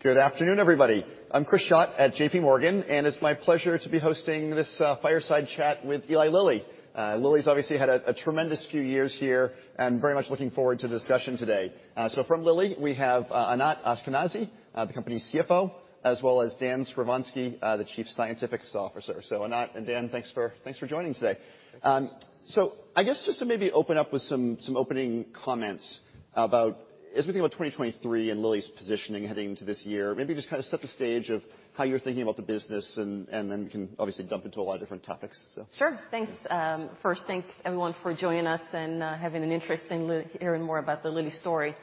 Good afternoon, everybody. I'm Chris Schott at JPMorgan. It's my pleasure to be hosting this fireside chat with Eli Lilly. Lilly's obviously had a tremendous few years here. Very much looking forward to the discussion today. From Lilly, we have Anat Ashkenazi, the company's CFO, as well as Daniel Skovronsky, the Chief Scientific Officer. Anat and Dan, thanks for joining today. I guess just to maybe open up with some opening comments about as we think about 2023 and Lilly's positioning heading into this year, maybe just kind of set the stage of how you're thinking about the business and then we can obviously jump into a lot of different topics. Sure. Thanks. First, thanks, everyone for joining us and having an interest in hearing more about the Lilly story.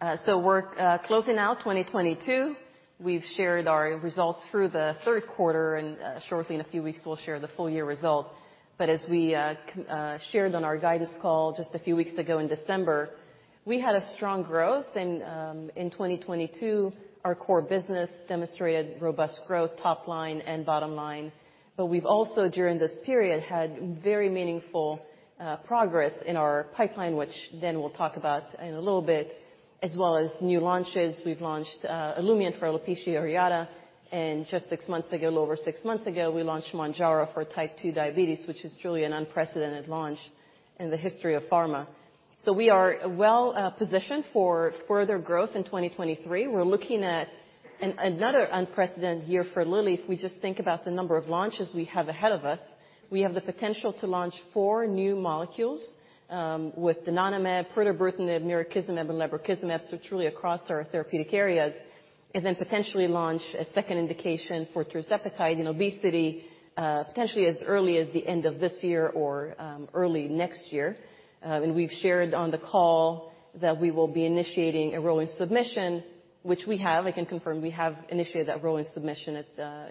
We're closing out 2022. We've shared our results through the third quarter and shortly in a few weeks, we'll share the full year results. As we shared on our guidance call just a few weeks ago in December, we had a strong growth and in 2022, our core business demonstrated robust growth, top line and bottom line. We've also during this period, had very meaningful progress in our pipeline, which Dan will talk about in a little bit, as well as new launches. We've launched Olumiant for alopecia areata, and just six months ago, a little over six months ago, we launched Mounjaro for Type 2 diabetes, which is truly an unprecedented launch in the history of pharma. We are well positioned for further growth in 2023. We're looking at another unprecedented year for Lilly if we just think about the number of launches we have ahead of us. We have the potential to launch four new molecules, with donanemab, pirtobrutinib, mirikizumab, and lebrikizumab, so truly across our therapeutic areas, and then potentially launch a second indication for tirzepatide in obesity, potentially as early as the end of this year or, early next year. We've shared on the call that we will be initiating a rolling submission, which we have. I can confirm we have initiated that rolling submission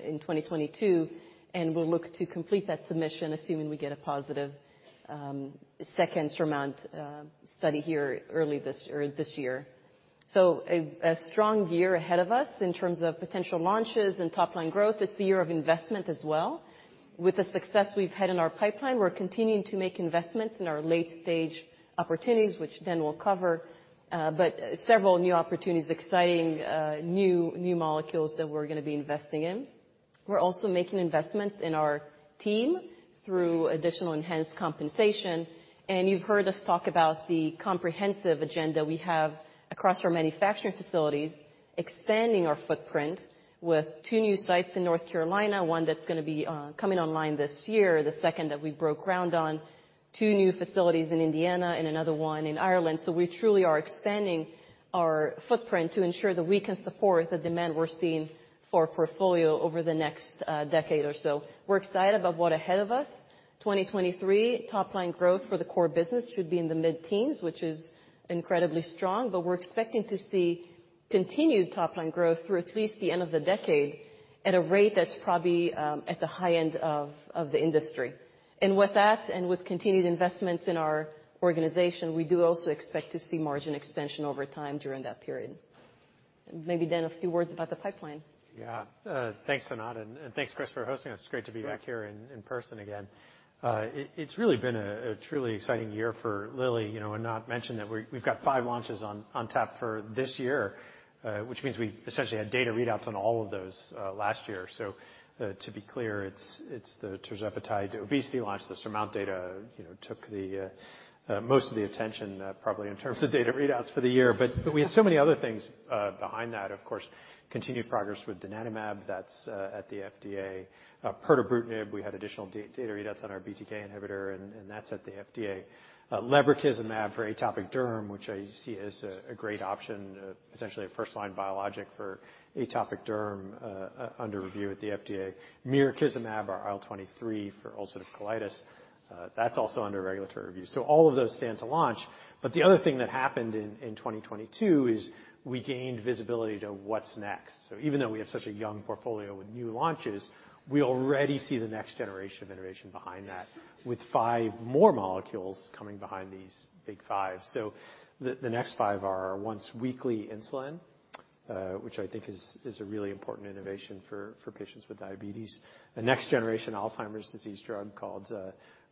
in 2022, and we'll look to complete that submission, assuming we get a positive second SURMOUNT study here early this or this year. A strong year ahead of us in terms of potential launches and top-line growth. It's a year of investment as well. With the success we've had in our pipeline, we're continuing to make investments in our late-stage opportunities, which Dan will cover, but several new opportunities, exciting new molecules that we're gonna be investing in. We're also making investments in our team through additional enhanced compensation. You've heard us talk about the comprehensive agenda we have across our manufacturing facilities, expanding our footprint with two new sites in North Carolina, one that's gonna be coming online this year, the second that we broke ground on, two new facilities in Indiana and another one in Ireland. We truly are expanding our footprint to ensure we can support the demand we're seeing for our portfolio over the next decade or so. We're excited about what ahead of us. 2023 top line growth for the core business should be in the mid-teens, which is incredibly strong, but we're expecting to see continued top line growth through at least the end of the decade at a rate that's probably at the high end of the industry. With that and with continued investments in our organization, we do also expect to see margin expansion over time during that period. Maybe Dan, a few words about the pipeline. Yeah. Thanks, Anat, and thanks, Chris, for hosting us. Great to be back here in person again. It's really been a truly exciting year for Lilly. You know, Anat mentioned that we've got five launches on tap for this year, which means we essentially had data readouts on all of those last year. To be clear, it's the tirzepatide obesity launch, the SURMOUNT data, you know, took the most of the attention probably in terms of data readouts for the year. We had so many other things behind that, of course, continued progress with donanemab that's at the FDA. Pirtobrutinib, we had additional data readouts on our BTK inhibitor, and that's at the FDA. lebrikizumab for atopic derm, which I see as a great option, potentially a first-line biologic for atopic derm, under review at the FDA. Mirikizumab, our IL-23 for ulcerative colitis, that's also under regulatory review. All of those stand to launch, but the other thing that happened in 2022 is we gained visibility to what's next. Even though we have such a young portfolio with new launches, we already see the next generation of innovation behind that with five more molecules coming behind these big five. The next five are our once-weekly insulin, which I think is a really important innovation for patients with diabetes. The next generation Alzheimer's disease drug called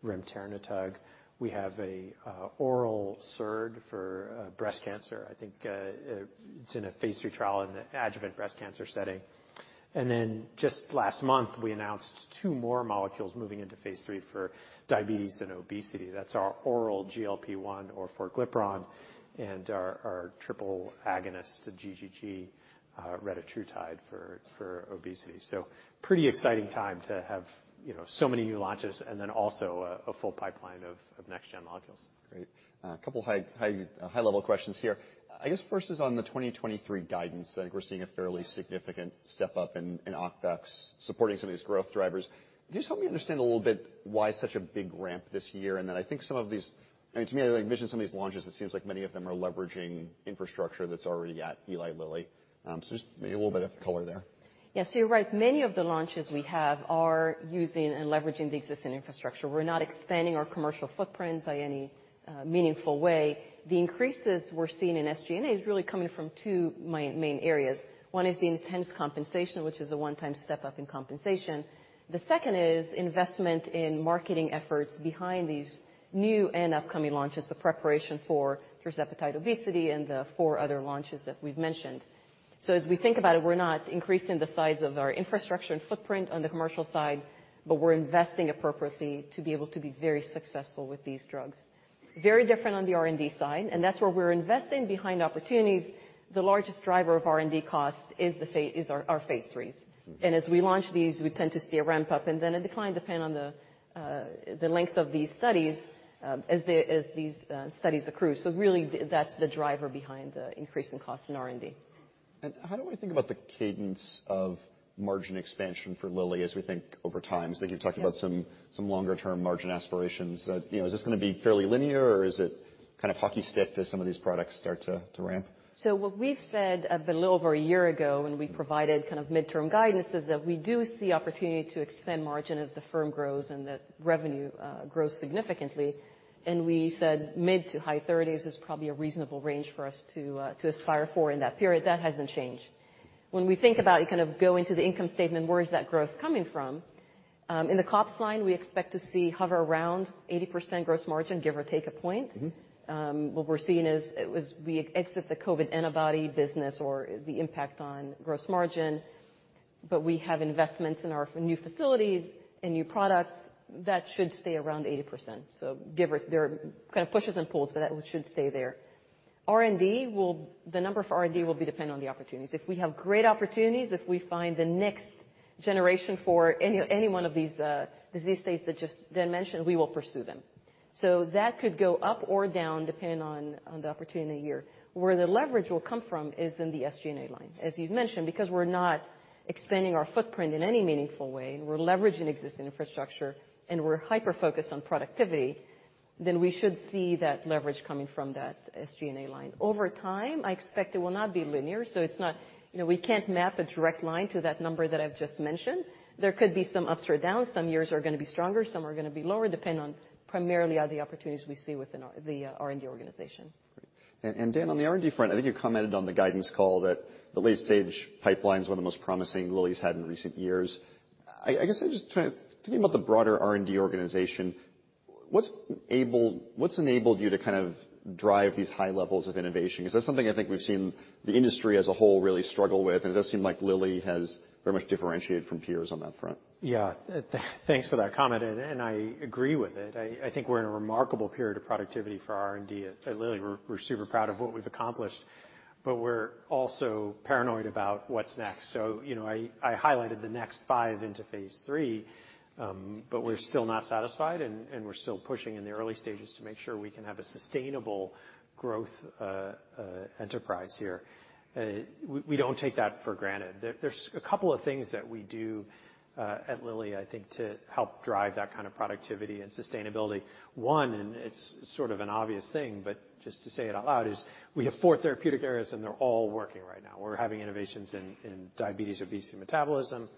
remternetug. We have a oral SERD for breast cancer. I think it's in phase III trial in the adjuvant breast cancer setting. Just last month, we announced two more molecules moving phase III for diabetes and obesity. That's our oral GLP-1 orforglipron, and our triple agonist GGG retatrutide for obesity. Pretty exciting time to have, you know, so many new launches and then also a full pipeline of next-gen molecules. Great. A couple high level questions here. I guess first is on the 2023 guidance. I think we're seeing a fairly significant step up in OpEx supporting some of these growth drivers. Can you just help me understand a little bit why such a big ramp this year? I think some of these... I mean, to me, like mentioning some of these launches, it seems like many of them are leveraging infrastructure that's already at Eli Lilly. Just maybe a little bit of color there. Yeah, you're right. Many of the launches we have are using and leveraging the existing infrastructure. We're not expanding our commercial footprint by any meaningful way. The increases we're seeing in SG&A is really coming from two main areas. One is the enhanced compensation, which is a one-time step-up in compensation. The second is investment in marketing efforts behind these new and upcoming launches, the preparation for tirzepatide obesity and the four other launches that we've mentioned. As we think about it, we're not increasing the size of our infrastructure and footprint on the commercial side, but we're investing appropriately to be able to be very successful with these drugs. Very different on the R&D side, and that's where we're investing behind opportunities. The largest driver of R&D costs is our phase IIIs. As we launch these, we tend to see a ramp up, and then a decline depending on the length of these studies, as these studies accrue. Really that's the driver behind the increase in cost in R&D. How do we think about the cadence of margin expansion for Lilly as we think over time? I think you've talked about some longer-term margin aspirations that, you know, is this gonna be fairly linear, or is it kind of hockey stick as some of these products start to ramp? What we've said a little over a year ago when we provided kind of midterm guidance is that we do see opportunity to extend margin as the firm grows and the revenue grows significantly. We said mid-to-high 30s is probably a reasonable range for us to aspire for in that period. That hasn't changed. When we think about you kind of go into the income statement, where is that growth coming from? In the COGS line, we expect to see hover around 80% gross margin, give or take a point. What we're seeing is we exit the COVID-19 antibody business or the impact on gross margin. We have investments in our new facilities and new products that should stay around 80%. There are kind of pushes and pulls, but that one should stay there. The number for R&D will be dependent on the opportunities. If we have great opportunities, if we find the next generation for any one of these, disease states that just Dan mentioned, we will pursue them. That could go up or down depending on the opportunity in a year. Where the leverage will come from is in the SG&A line. As you've mentioned, because we're not expanding our footprint in any meaningful way, and we're leveraging existing infrastructure, and we're hyper-focused on productivity, then we should see that leverage coming from that SG&A line. Over time, I expect it will not be linear, so it's not you know, we can't map a direct line to that number that I've just mentioned. There could be some ups or downs. Some years are gonna be stronger, some are gonna be lower, depending primarily on the opportunities we see within our R&D organization. Great. Dan, on the R&D front, I think you commented on the guidance call that the late-stage pipeline is one of the most promising Lilly's had in recent years. I guess I'm just trying to think about the broader R&D organization. What's enabled you to kind of drive these high levels of innovation? Because that's something I think we've seen the industry as a whole really struggle with, and it does seem like Lilly has very much differentiated from peers on that front. Yeah. Thanks for that comment, and I agree with it. I think we're in a remarkable period of productivity for R&D. At Lilly, we're super proud of what we've accomplished, but we're also paranoid about what's next. You know, I highlighted the next five into phase III, but we're still not satisfied, and we're still pushing in the early stages to make sure we can have a sustainable growth enterprise here. We don't take that for granted. There's a couple of things that we do at Lilly, I think, to help drive that kind of productivity and sustainability. One, it's sort of an obvious thing, but just to say it out loud, is we have four therapeutic areas, and they're all working right now. We're having innovations in diabetes, obesity, and metabolism.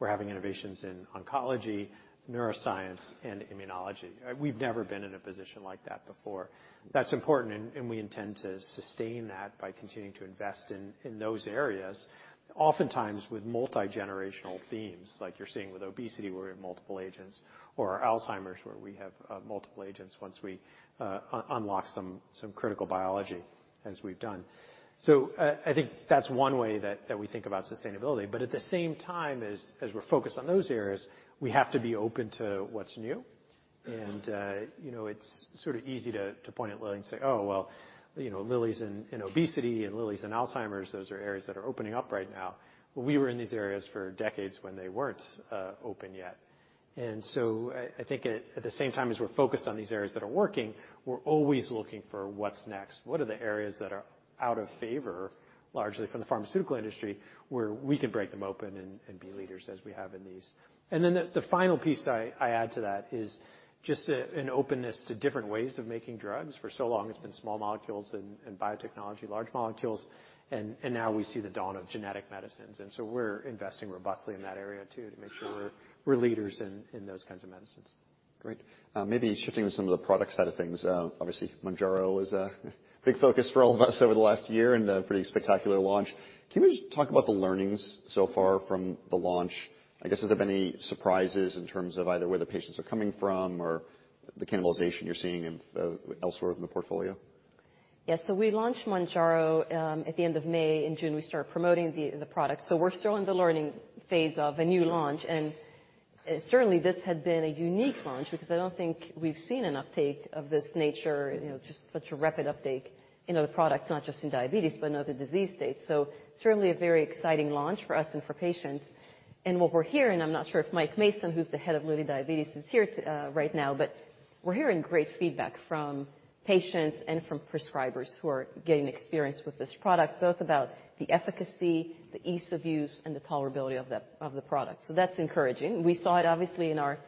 We're having innovations in oncology, neuroscience, and immunology. We've never been in a position like that before. That's important, and we intend to sustain that by continuing to invest in those areas, oftentimes with multi-generational themes. Like you're seeing with obesity, we're in multiple agents, or Alzheimer's, where we have multiple agents once we unlock some critical biology as we've done. I think that's one way that we think about sustainability, but at the same time, as we're focused on those areas, we have to be open to what's new. you know, it's sort of easy to point at Lilly and say, "Oh, well, you know, Lilly's in obesity and Lilly's in Alzheimer's. Those are areas that are opening up right now." We were in these areas for decades when they weren't open yet. I think at the same time as we're focused on these areas that are working, we're always looking for what's next. What are the areas that are out of favor, largely from the pharmaceutical industry, where we can break them open and be leaders as we have in these? The final piece I add to that is just an openness to different ways of making drugs. For so long, it's been small molecules and biotechnology, large molecules, and now we see the dawn of genetic medicines. We're investing robustly in that area too to make sure we're leaders in those kinds of medicines. Great. Maybe shifting to some of the product side of things. Obviously Mounjaro was a big focus for all of us over the last year and a pretty spectacular launch. Can you just talk about the learnings so far from the launch? I guess, has there been any surprises in terms of either where the patients are coming from or the cannibalization you're seeing in elsewhere in the portfolio? We launched Mounjaro at the end of May. In June, we started promoting the product. We're still in the learning phase of a new launch, and certainly this has been a unique launch because I don't think we've seen an uptake of this nature, you know, just such a rapid uptake in other products, not just in diabetes, but in other disease states. Certainly a very exciting launch for us and for patients. What we're hearing, I'm not sure if Mike Mason, who's the head of Lilly Diabetes, is here right now, but we're hearing great feedback from patients and from prescribers who are getting experience with this product, both about the efficacy, the ease of use, and the tolerability of the product. That's encouraging. We saw it obviously in our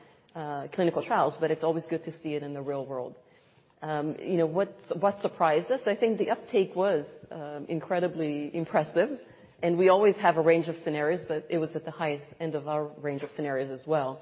clinical trials, it's always good to see it in the real world. You know, what surprised us, I think the uptake was incredibly impressive, we always have a range of scenarios, but it was at the highest end of our range of scenarios as well.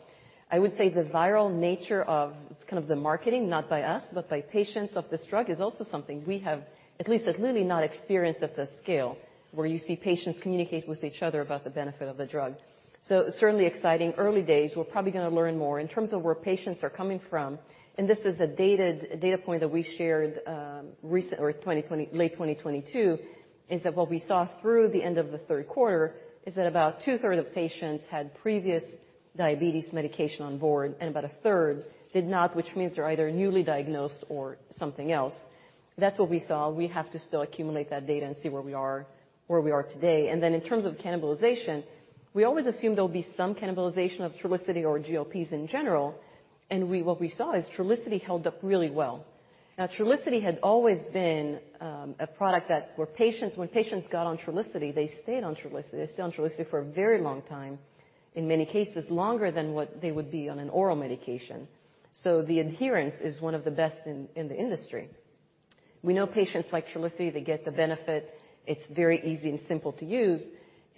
I would say the viral nature of kind of the marketing, not by us, but by patients of this drug, is also something we have at least at Lilly not experienced at this scale, where you see patients communicate with each other about the benefit of the drug. Certainly exciting. Early days, we're probably gonna learn more. In terms of where patients are coming from, this is a dated data point that we shared, late 2022, is that what we saw through the end of the third quarter is that about 2/3 of patients had previous diabetes medication on board, and about 1/3 did not, which means they're either newly diagnosed or something else. That's what we saw. We have to still accumulate that data and see where we are, where we are today. In terms of cannibalization, we always assume there'll be some cannibalization of Trulicity or GLPs in general, and what we saw is Trulicity held up really well. Trulicity had always been a product when patients got on Trulicity, they stayed on Trulicity. They stayed on Trulicity for a very long time, in many cases longer than what they would be on an oral medication. The adherence is one of the best in the industry. We know patients like Trulicity, they get the benefit. It's very easy and simple to use,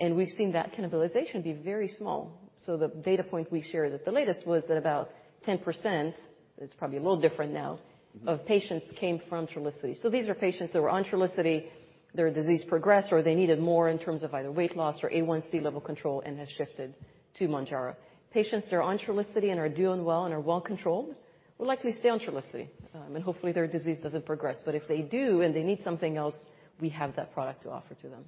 we've seen that cannibalization be very small. The data point we share that the latest was that about 10%, it's probably a little different now of patients came from Trulicity. These are patients that were on Trulicity, their disease progressed, or they needed more in terms of either weight loss or A1C level control and have shifted to Mounjaro. Patients that are on Trulicity and are doing well and are well controlled will likely stay on Trulicity, and hopefully their disease doesn't progress. If they do and they need something else, we have that product to offer to them.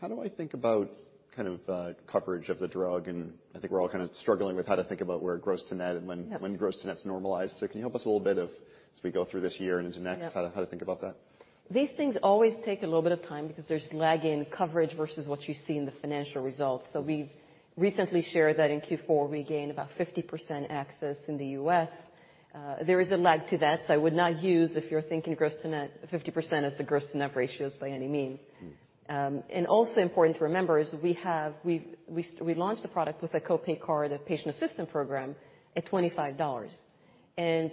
How do I think about kind of, coverage of the drug? I think we're all kind of struggling with how to think about where it grows to net and when it grows to net's normalized? Can you help us a little bit of, as we go through this year and into next? How to think about that? These things always take a little bit of time because there's lag in coverage versus what you see in the financial results. We've recently shared that in Q4, we gained about 50% access in the U.S. There is a lag to that, so I would not use, if you're thinking gross to net, 50% as the gross to net ratios by any means. Also important to remember is we launched the product with a co-pay card, a patient assistant program at $25.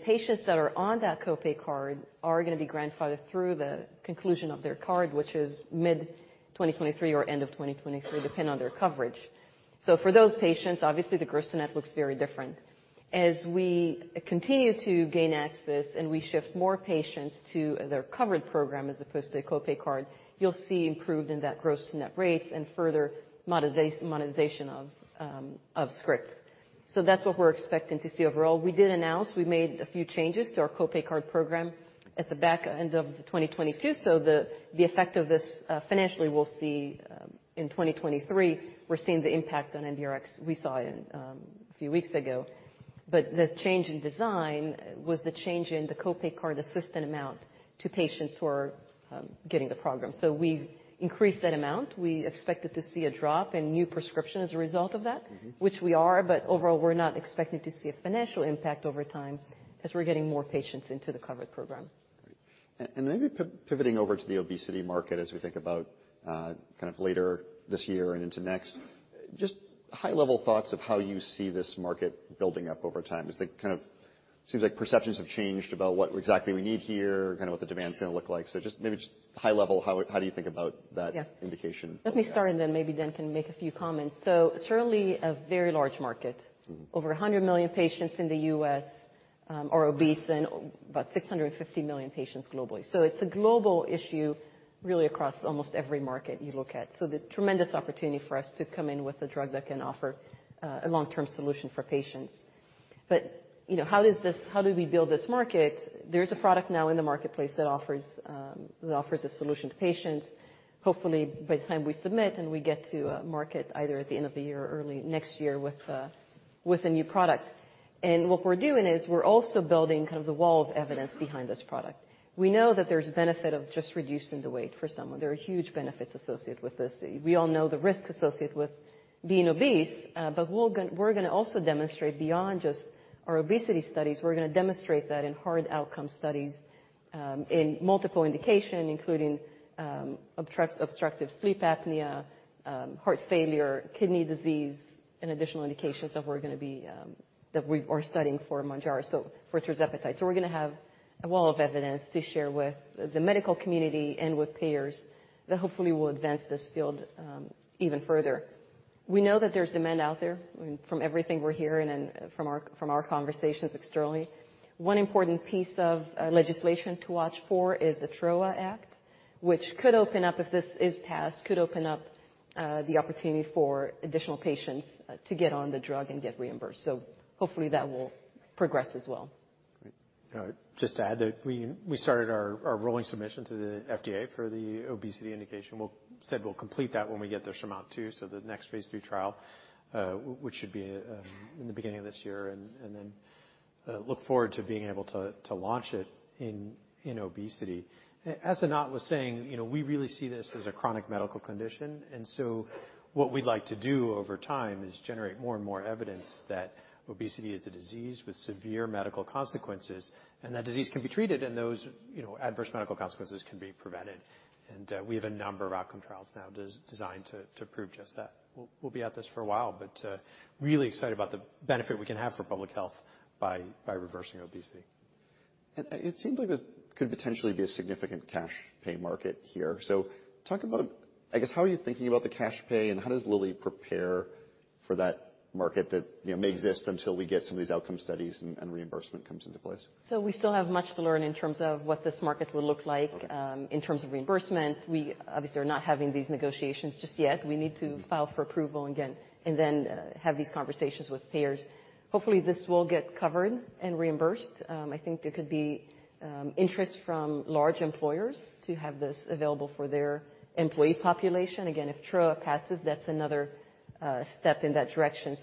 Patients that are on that co-pay card are gonna be grandfathered through the conclusion of their card, which is mid-2023 or end of 2023, depending on their coverage. For those patients, obviously, the gross to net looks very different. As we continue to gain access and we shift more patients to their covered program as opposed to a co-pay card, you'll see improvement in that gross to net rates and further monetization of scripts. That's what we're expecting to see overall. We did announce we made a few changes to our co-pay card program at the back end of 2022. The, the effect of this financially we'll see in 2023. We're seeing the impact on MDRX. We saw it in a few weeks ago. The change in design was the change in the co-pay card assistant amount to patients who are getting the program. We increased that amount. We expected to see a drop in new prescription as a result of that, which we are, but overall, we're not expecting to see a financial impact over time as we're getting more patients into the covered program. Great. Maybe pivoting over to the obesity market as we think about, kind of later this year and into next. Just high-level thoughts of how you see this market building up over time. Is the kind of seems like perceptions have changed about what exactly we need here, kind of what the demand's gonna look like? Just maybe just high level, how do you think about that indication going out? Let me start, and then maybe Dan can make a few comments. Certainly a very large market. Over 100 million patients in the U.S. are obese and about 650 million patients globally. It's a global issue really across almost every market you look at. The tremendous opportunity for us to come in with a drug that can offer a long-term solution for patients. You know, how do we build this market? There's a product now in the marketplace that offers a solution to patients. Hopefully, by the time we submit, and we get to market either at the end of the year or early next year with a new product. What we're doing is we're also building kind of the wall of evidence behind this product. We know that there's benefit of just reducing the weight for someone. There are huge benefits associated with this. We all know the risk associated with being obese, we're gonna also demonstrate beyond just our obesity studies, we're gonna demonstrate that in hard outcome studies, in multiple indication, including obstructive sleep apnea, heart failure, kidney disease, and additional indications that we're gonna be, that we are studying for Mounjaro, so for tirzepatide. We're gonna have a wall of evidence to share with the medical community and with payers that hopefully will advance this field, even further. We know that there's demand out there from everything we're hearing and from our conversations externally. One important piece of legislation to watch for is the TROA Act, which could open up, if this is passed, could open up the opportunity for additional patients to get on the drug and get reimbursed. So, hopefully that will progress as well. Great. Just to add that we started our rolling submission to the FDA for the obesity indication. Said we'll complete that when we get the SURMOUNT-2, so the phase III trial, which should be in the beginning of this year, and then look forward to being able to launch it in obesity. As Anat was saying, you know, we really see this as a chronic medical condition. What we'd like to do over time is generate more and more evidence that obesity is a disease with severe medical consequences, and that disease can be treated, and those, you know, adverse medical consequences can be prevented. We have a number of outcome trials now designed to prove just that. We'll be at this for a while, but really excited about the benefit we can have for public health by reversing obesity. It seems like this could potentially be a significant cash pay market here. Talk about, I guess, how are you thinking about the cash pay, and how does Lilly prepare for that market that, you know, may exist until we get some of these outcome studies and reimbursement comes into place? We still have much to learn in terms of what this market will look like. In terms of reimbursement, we obviously are not having these negotiations just yet. We need to file for approval again and then have these conversations with payers. Hopefully, this will get covered and reimbursed. I think there could be interest from large employers to have this available for their employee population. Again, if TROA passes, that's another step in that direction.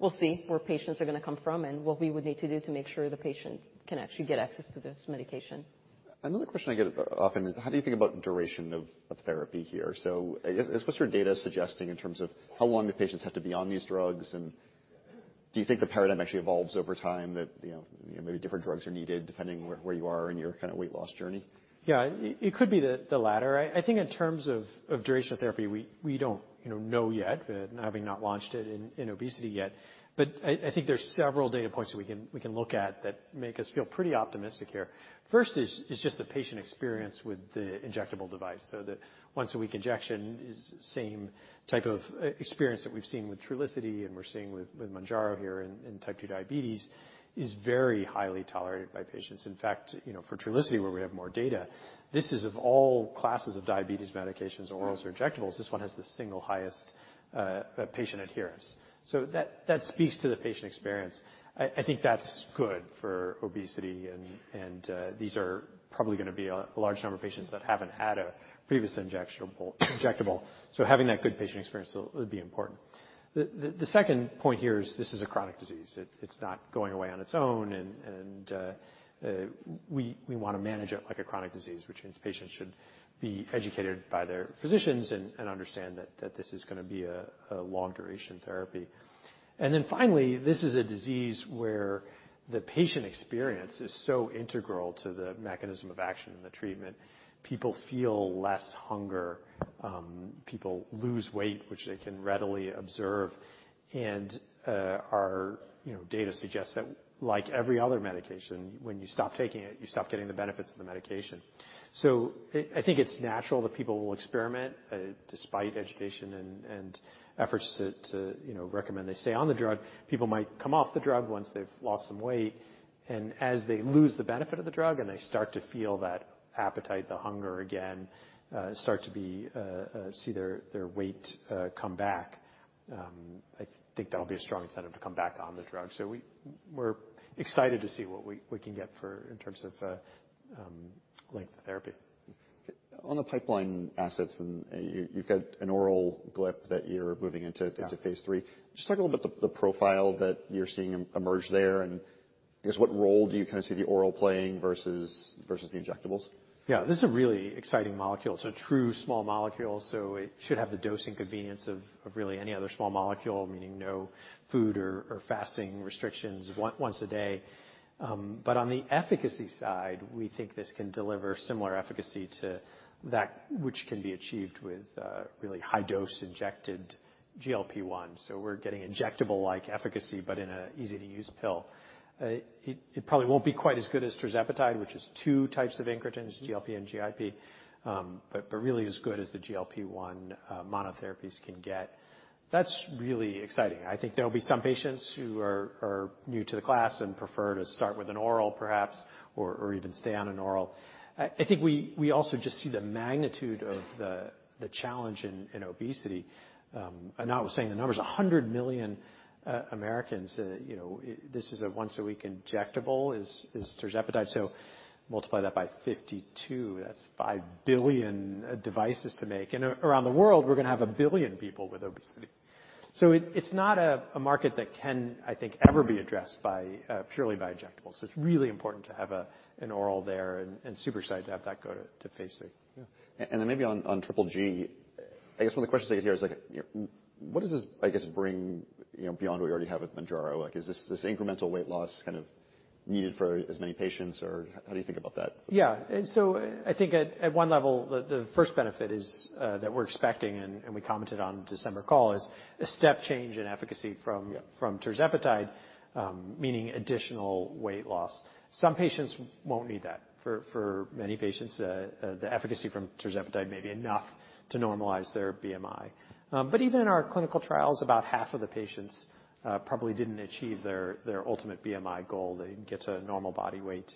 We'll see where patients are gonna come from and what we would need to do to make sure the patient can actually get access to this medication. Another question I get often is, how do you think about duration of therapy here? I guess, what's your data suggesting in terms of how long do patients have to be on these drugs, and do you think the paradigm actually evolves over time that, you know, maybe different drugs are needed depending where you are in your kind of weight loss journey? Yeah. It could be the latter. I think in terms of durational therapy, we don't, you know yet having not launched it in obesity yet. I think there's several data points that we can look at that make us feel pretty optimistic here. First is just the patient experience with the injectable device. The once a week injection is same type of e-experience that we've seen with Trulicity, and we're seeing with Mounjaro here in Type 2 diabetes, is very highly tolerated by patients. In fact, you know, for Trulicity, where we have more data, this is of all classes of diabetes medications, orals or injectables, this one has the single highest patient adherence. That speaks to the patient experience. I think that's good for obesity and these are probably gonna be a large number of patients that haven't had a previous injectable. Having that good patient experience would be important. The second point here is this is a chronic disease. It's not going away on its own and we wanna manage it like a chronic disease, which means patients should be educated by their physicians and understand that this is gonna be a long duration therapy. Finally, this is a disease where the patient experience is so integral to the mechanism of action in the treatment. People feel less hunger, people lose weight, which they can readily observe. Our, you know, data suggests that like every other medication, when you stop taking it, you stop getting the benefits of the medication. I think it's natural that people will experiment, despite education and efforts to, you know, recommend they stay on the drug. People might come off the drug once they've lost some weight, and as they lose the benefit of the drug, and they start to feel that appetite, the hunger again, start to see their weight come back. I think that'll be a strong incentive to come back on the drug. We're excited to see what we can get in terms of length of therapy. On the pipeline assets, You've got an oral GLP that you're moving into phase III. Just talk a little about the profile that you're seeing emerge there and I guess what role do you kinda see the oral playing versus the injectables? Yeah. This is a really exciting molecule. It's a true small molecule, so it should have the dosing convenience of really any other small molecule, meaning no food or fasting restrictions, once a day. On the efficacy side, we think this can deliver similar efficacy to that which can be achieved with really high dose injected GLP-1. We're getting injectable like efficacy, but in a easy to use pill. It probably won't be quite as good as tirzepatide, which is two types of incretins, GLP and GIP, but really as good as the GLP-1 monotherapies can get. That's really exciting. I think there will be some patients who are new to the class and prefer to start with an oral perhaps, or even stay on an oral. I think we also just see the magnitude of the challenge in obesity. Anat was saying the numbers, 100 million Americans, you know, this is a once a week injectable is tirzepatide. Multiply that by 52, that's 5 billion devices to make. Around the world, we're gonna have 1 billion people with obesity. It's not a market that can, I think, ever be addressed by purely by injectables. It's really important to have an oral there and super excited to have that go to phase III. Yeah. Maybe on GGG. I guess one of the questions I hear is like, what does this, I guess, bring, you know, beyond what we already have with Mounjaro? Is this incremental weight loss kind of needed for as many patients? How do you think about that? Yeah. I think at one level, the first benefit is that we're expecting and we commented on December call is a step change in efficacy from tirzepatide, meaning additional weight loss. Some patients won't need that. For many patients, the efficacy from tirzepatide may be enough to normalize their BMI. But even in our clinical trials, about half of the patients probably didn't achieve their ultimate BMI goal. They get to normal body weight.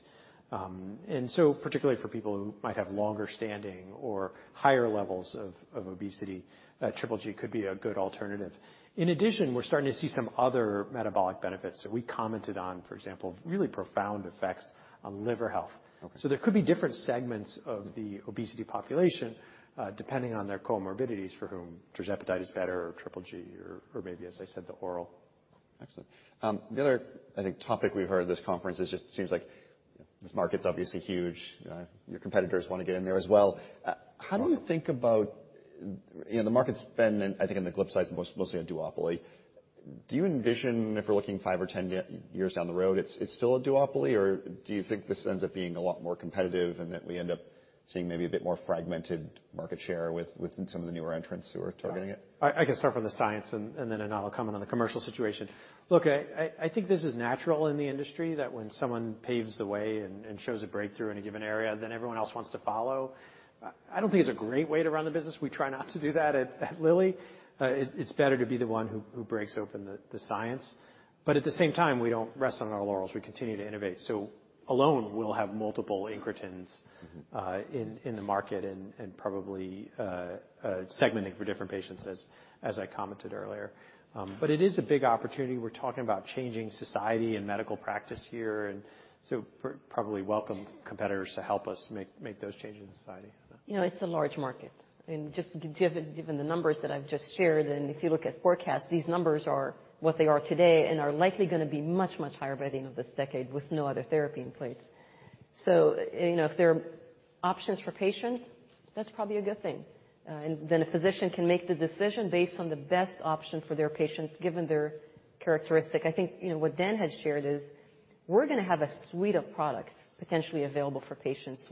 Particularly for people who might have longer standing or higher levels of obesity, GGG could be a good alternative. In addition, we're starting to see some other metabolic benefits. We commented on, for example, really profound effects on liver health. There could be different segments of the obesity population, depending on their comorbidities for whom tirzepatide is better, or GGG or maybe as I said, the oral. Excellent. The other, I think, topic we've heard this conference is just seems like this market's obviously huge. Your competitors wanna get in there as well. How do you think about, you know, the market's been, I think in the GLP side, mostly a duopoly. Do you envision if we're looking 5 or 10 years down the road, it's still a duopoly? Do you think this ends up being a lot more competitive and that we end up seeing maybe a bit more fragmented market share with some of the newer entrants who are targeting it? I can start from the science. Then Anat will comment on the commercial situation. Look, I think this is natural in the industry that when someone paves the way and shows a breakthrough in a given area, then everyone else wants to follow. I don't think it's a great way to run the business. We try not to do that at Lilly. It's better to be the one who breaks open the science. At the same time, we don't rest on our laurels. We continue to innovate. Alone, we'll have multiple incretins in the market and probably segmented for different patients as I commented earlier. It is a big opportunity. We're talking about changing society and medical practice here. Probably welcome competitors to help us make those changes in society. Yeah. You know, it's a large market. Just given the numbers that I've just shared, and if you look at forecasts, these numbers are what they are today and are likely gonna be much, much higher by the end of this decade with no other therapy in place. You know, if there are options for patients, that's probably a good thing. Then a physician can make the decision based on the best option for their patients given their characteristic. I think, you know, what Dan has shared is we're gonna have a suite of products potentially available for patients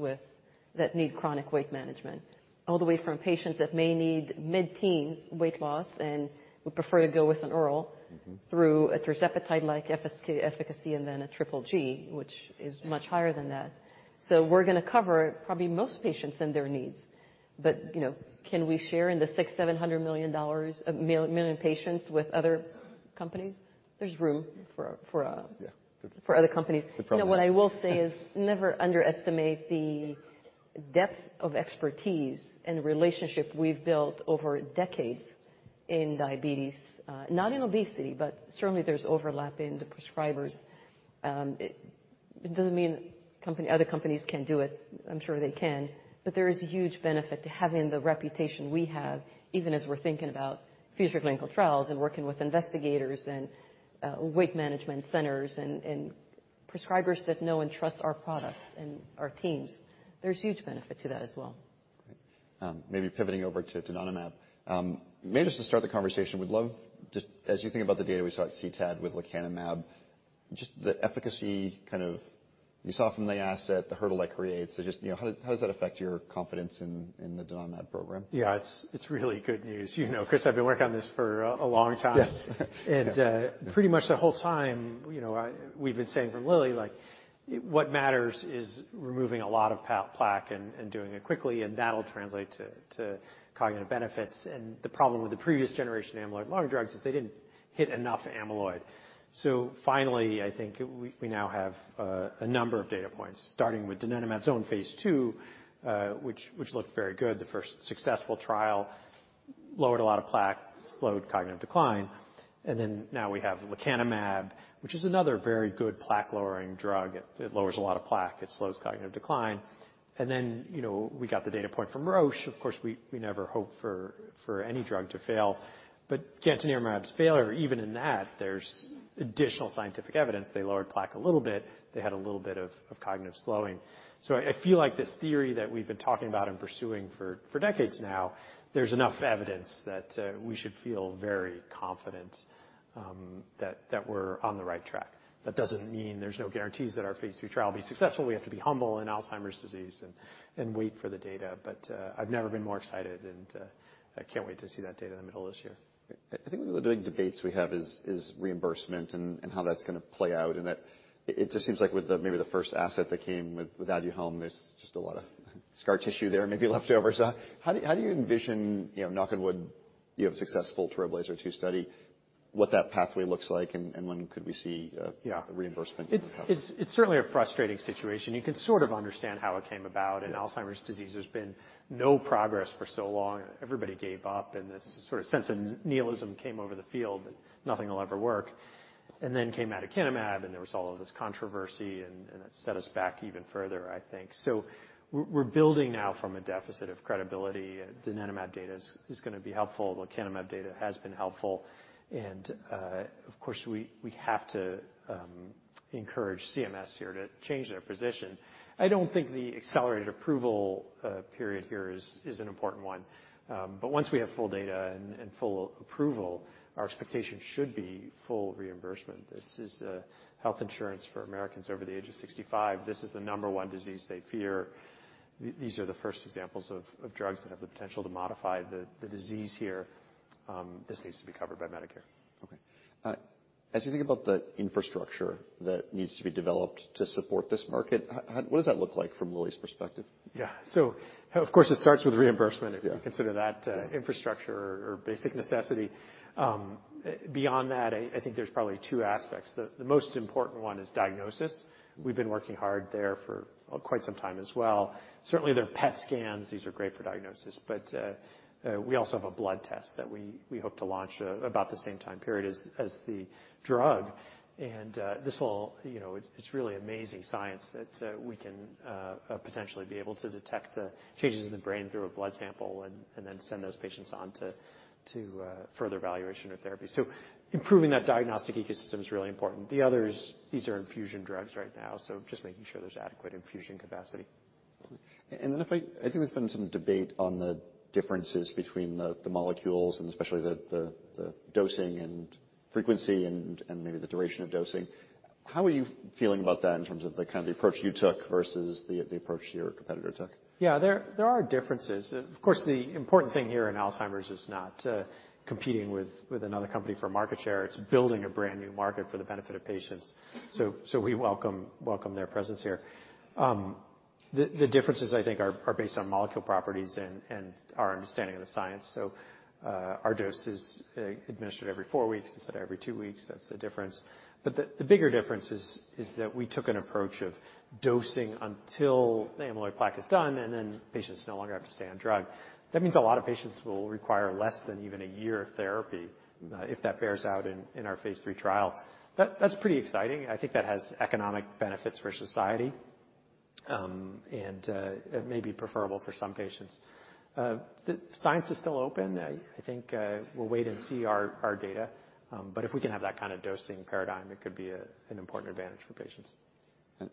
that need chronic weight management, all the way from patients that may need mid-teens weight loss, and would prefer to go with an oral through a tirzepatide like efficacy and then a GGG, which is much higher than that. We're gonna cover probably most patients and their needs. You know, can we share in the $600 million, $700 million of million patients with other companies? There's room for other companies. You know, what I will say is never underestimate the depth of expertise and the relationship we've built over decades in diabetes. Not in obesity, but certainly there's overlap in the prescribers. It doesn't mean other companies can't do it. I'm sure they can, but there is huge benefit to having the reputation we have, even as we're thinking about future clinical trials and working with investigators and weight management centers and prescribers that know and trust our products and our teams. There's huge benefit to that as well. Great. Maybe pivoting over to donanemab. Maybe just to start the conversation, we'd love just as you think about the data we saw at CTAD with lecanemab, just the efficacy kind of you saw from the asset, the hurdle that creates. Just, you know, how does that affect your confidence in the donanemab program? Yeah, it's really good news. You know, Chris, I've been working on this for a long time. Pretty much the whole time, you know, we've been saying from Lilly, like what matters is removing a lot of plaque and doing it quickly, and that'll translate to cognitive benefits. The problem with the previous generation of amyloid lowering drugs is they didn't hit enough amyloid. Finally, I think we now have a number of data points, starting with donanemab's own phase II, which looked very good. The first successful trial lowered a lot of plaque, slowed cognitive decline, then now we have lecanemab, which is another very good plaque-lowering drug. It lowers a lot of plaque. It slows cognitive decline. Then, you know, we got the data point from Roche. Of course, we never hope for any drug to fail, but gantenerumab's failure, even in that, there's additional scientific evidence they lowered plaque a little bit. They had a little bit of cognitive slowing. I feel like this theory that we've been talking about and pursuing for decades now, there's enough evidence that we should feel very confident that we're on the right track. That doesn't mean there's no guarantees that phase III trial will be successful. We have to be humble in Alzheimer's disease and wait for the data. I've never been more excited, and I can't wait to see that data in the middle of this year. I think one of the big debates we have is reimbursement and how that's gonna play out. That it just seems like with the maybe the first asset that came with Aduhelm, there's just a lot of scar tissue there and maybe leftovers. How do you, how do you envision, you know, knock on wood, you have a successful TRAILBLAZER-ALZ 2 study, what that pathway looks like, when could we see? A reimbursement from that? It's certainly a frustrating situation. You can sort of understand how it came about. In Alzheimer's disease, there's been no progress for so long. Everybody gave up, and this sort of sense of nihilism came over the field that nothing will ever work. Then came aducanumab, and there was all of this controversy, and it set us back even further, I think. We're building now from a deficit of credibility. Donanemab data is gonna be helpful. Lecanemab data has been helpful. Of course, we have to encourage CMS here to change their position. I don't think the accelerated approval period here is an important one. Once we have full data and full approval, our expectation should be full reimbursement. This is a health insurance for Americans over the age of 65. This is the number one disease they fear. These are the first examples of drugs that have the potential to modify the disease here. This needs to be covered by Medicare. As you think about the infrastructure that needs to be developed to support this market, what does that look like from Lilly's perspective? Of course, it starts with reimbursement. You consider that infrastructure or basic necessity. Beyond that, I think there's probably two aspects. The most important one is diagnosis. We've been working hard there for quite some time as well. Certainly, there are PET scans. These are great for diagnosis, but we also have a blood test that we hope to launch about the same time period as the drug. You know, it's really amazing science that we can potentially be able to detect the changes in the brain through a blood sample and then send those patients on to further evaluation or therapy. Improving that diagnostic ecosystem is really important. The other is these are infusion drugs right now, so just making sure there's adequate infusion capacity. I think there's been some debate on the differences between the molecules and especially the dosing and frequency and maybe the duration of dosing. How are you feeling about that in terms of the kind of approach you took versus the approach your competitor took? Yeah. There are differences. Of course, the important thing here in Alzheimer's is not competing with another company for market share. It's building a brand new market for the benefit of patients. We welcome their presence here. The differences I think are based on molecule properties and our understanding of the science. Our dose is administered every four weeks instead of every two weeks. That's the difference. The bigger difference is that we took an approach of dosing until the amyloid plaque is done, and then patients no longer have to stay on drug. That means a lot of patients will require less than even a year of therapy if that bears out in our phase III trial. That's pretty exciting. I think that has economic benefits for society. It may be preferable for some patients. The science is still open. I think, we'll wait and see our data. If we can have that kind of dosing paradigm, it could be an important advantage for patients.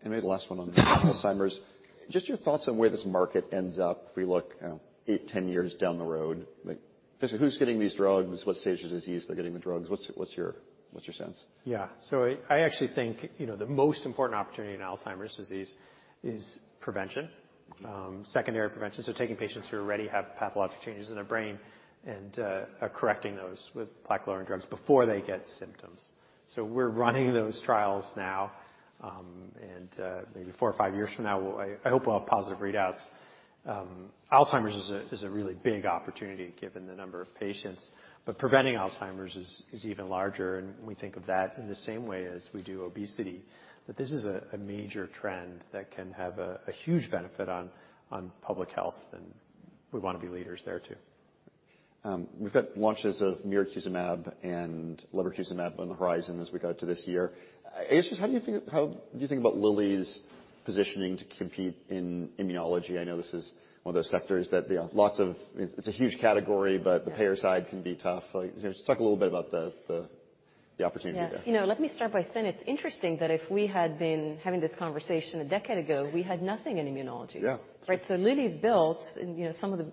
Maybe last one on Alzheimer's. Just your thoughts on where this market ends up if we look, you know, 8, 10 years down the road. Like, just who's getting these drugs? What stage of disease they're getting the drugs? What's your sense? Yeah. I actually think, you know, the most important opportunity in Alzheimer's disease is prevention. Secondary prevention. Taking patients who already have pathologic changes in their brain and correcting those with plaque-lowering drugs before they get symptoms. We're running those trials now. Maybe 4 or 5 years from now, I hope we'll have positive readouts. Alzheimer's is a really big opportunity given the number of patients. Preventing Alzheimer's is even larger, and we think of that in the same way as we do obesity. This is a major trend that can have a huge benefit on public health, and we wanna be leaders there too. We've had launches of mirikizumab and lebrikizumab on the horizon as we go to this year. I guess just how do you think about Lilly's positioning to compete in immunology? I know this is one of those sectors that, you know, lots of... It's a huge category, but the payer side can be tough. Like, just talk a little bit about the opportunity there. Yeah. You know, let me start by saying it's interesting that if we had been having this conversation a decade ago, we had nothing in immunology. Yeah. Right? Lilly built, and, you know, some of the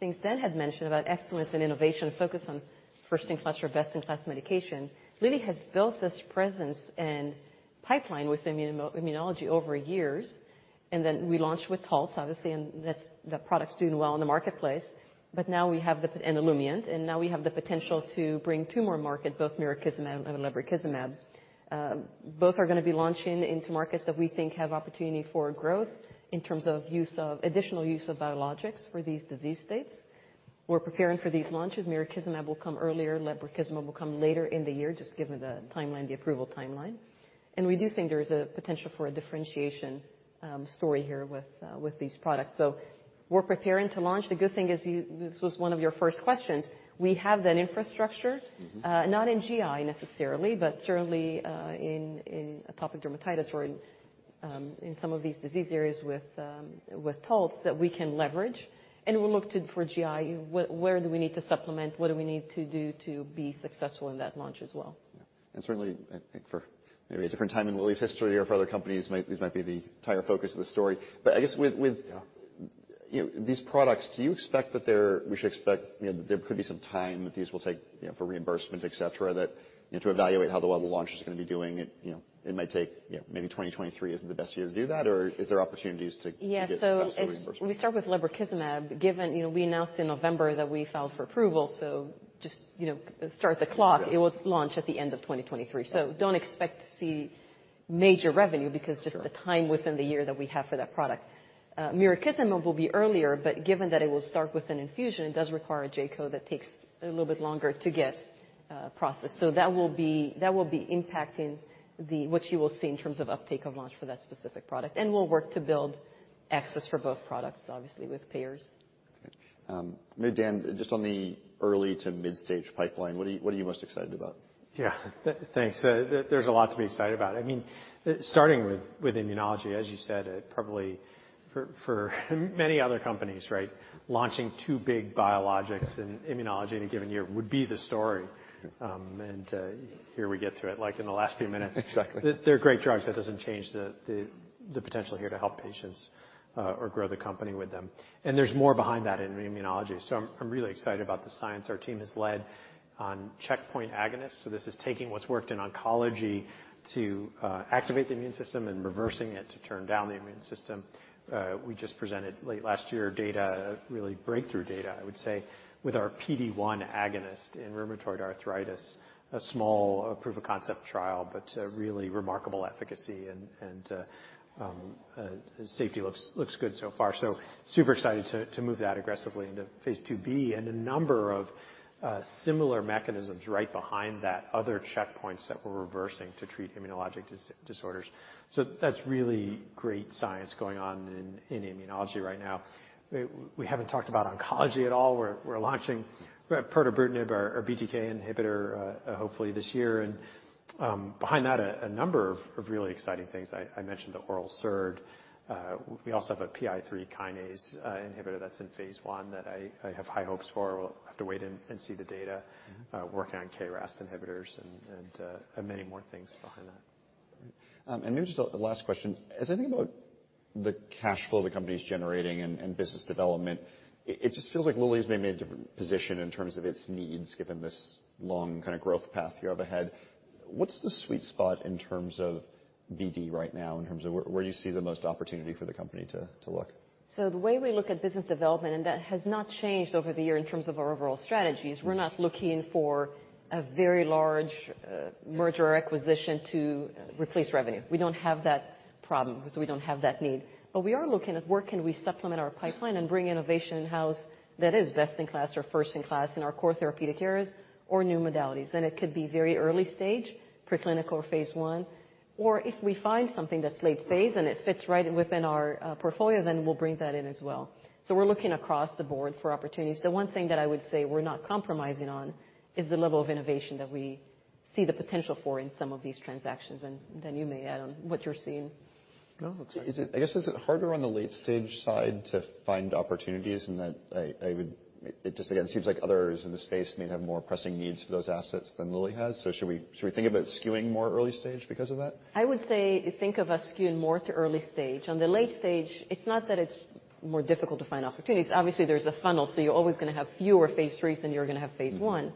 things Ben had mentioned about excellence and innovation focus on first-in-class or best-in-class medication. Lilly has built this presence and pipeline with immunology over years, we launched with Taltz obviously, and that product's doing well in the marketplace. Now we have Olumiant, and now we have the potential to bring two more market, both mirikizumab and lebrikizumab. Both are gonna be launching into markets that we think have opportunity for growth in terms of use of additional use of biologics for these disease states. We're preparing for these launches. Mirikizumab will come earlier, lebrikizumab will come later in the year, just given the timeline, the approval timeline. We do think there's a potential for a differentiation story here with these products. We're preparing to launch. The good thing is this was one of your first questions, we have that infrastructure, not in GI necessarily, but certainly, in atopic dermatitis or in some of these disease areas with Taltz that we can leverage. We'll look to for GI, where do we need to supplement? What do we need to do to be successful in that launch as well? Yeah. certainly, I think for maybe a different time in Lilly's history or for other companies, this might be the entire focus of the story. I guess with these products, do you expect that we should expect, you know, that there could be some time that these will take, you know, for reimbursement, etc, that, you know, to evaluate how the level launch is gonna be doing it, you know, it might take, you know, maybe 2023 isn't the best year to do that? Or is there opportunities? Yeah. To get faster reimbursement? We start with lebrikizumab. Given, you know, we announced in November that we filed for approval, so just, you know, start the clock. Yeah. It will launch at the end of 2023. Don't expect to see major revenue, because just the time within the year that we have for that product. Mirikizumab will be earlier, but given that it will start with an infusion, it does require a J-code that takes a little bit longer to get processed. That will be impacting what you will see in terms of uptake of launch for that specific product. We'll work to build access for both products, obviously, with payers. Okay. Maybe Dan, just on the early to midstage pipeline, what are you most excited about? Yeah. Thanks. There's a lot to be excited about. I mean, starting with immunology, as you said, probably for many other companies, right? Launching two big biologics in immunology in a given year would be the story. Here we get to it, like in the last few minutes. Exactly. They're great drugs. That doesn't change the potential here to help patients or grow the company with them. There's more behind that in immunology. I'm really excited about the science our team has led on checkpoint agonists. This is taking what's worked in oncology to activate the immune system and reversing it to turn down the immune system. We just presented late last year data, really breakthrough data, I would say, with our PD-1 agonist in rheumatoid arthritis. A small proof of concept trial, but really remarkable efficacy and safety looks good so far. Super excited to move that aggressively phase II-B. A number of similar mechanisms right behind that, other checkpoints that we're reversing to treat immunologic disorders. That's really great science going on in immunology right now. We haven't talked about oncology at all. We're launching pirtobrutinib, our BTK inhibitor, hopefully this year. Behind that, a number of really exciting things. I mentioned the oral SERD. We also have a PI3K inhibitor that's in phase I that I have high hopes for. We'll have to wait and see the data. Working on KRAS inhibitors and many more things behind that. Maybe just a last question. As I think about the cash flow the company's generating and business development, it just feels like Lilly's maybe in a different position in terms of its needs, given this long kind of growth path you have ahead. What's the sweet spot in terms of BD right now, in terms of where do you see the most opportunity for the company to look? The way we look at business development, that has not changed over the year in terms of our overall strategies, we're not looking for a very large merger or acquisition to replace revenue. We don't have that problem, we don't have that need. We are looking at where can we supplement our pipeline and bring innovation in-house that is best in class or first in class in our core therapeutic areas or new modalities. It could be very early stage, preclinical or phase I. If we find something that's late phase and it fits right within our portfolio, then we'll bring that in as well. We're looking across the board for opportunities. The one thing that I would say we're not compromising on is the level of innovation that we see the potential for in some of these transactions. Dan, you may add on what you're seeing. No, that's great. I guess, is it harder on the late-stage side to find opportunities in that I would. It just again seems like others in the space may have more pressing needs for those assets than Lilly has. Should we think about skewing more early stage because of that? I would say think of us skewing more to early stage. On the late stage, it's not that it's more difficult to find opportunities. Obviously, there's a funnel, so you're always gonna have phase IIIs than you're gonna have phase I.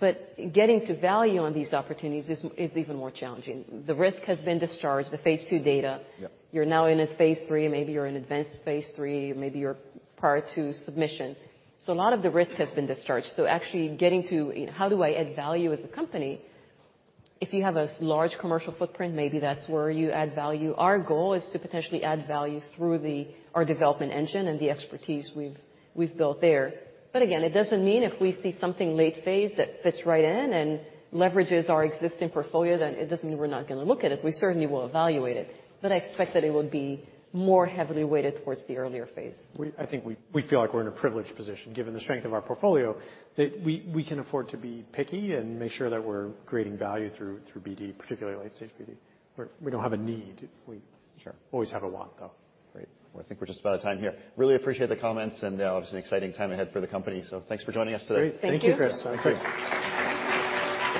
But, getting to value on these opportunities is even more challenging. The risk has been discharged, the phase II data. Yeah. You're now in phase III, maybe you're in advanced phase III, maybe you're prior to submission. A lot of the risk has been discharged. Actually getting to how do I add value as a company, if you have a large commercial footprint, maybe that's where you add value. Our goal is to potentially add value through our development engine and the expertise we've built there. Again, it doesn't mean if we see something late phase that fits right in and leverages our existing portfolio, then it doesn't mean we're not gonna look at it. We certainly will evaluate it. I expect that it would be more heavily weighted towards the earlier phase. I think we feel like we're in a privileged position, given the strength of our portfolio, that we can afford to be picky and make sure that we're creating value through BD, particularly late-stage BD. We don't have a need. We always have a want, though. Great. Well, I think we're just about out of time here. Really appreciate the comments, and obviously an exciting time ahead for the company, so thanks for joining us today. Great. Thank you, Chris. Thank you. Thank you.